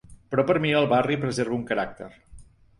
Però per mi el barri preserva un caràcter.